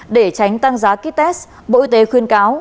để tránh tăng giá kýt test bộ y tế khuyên cáo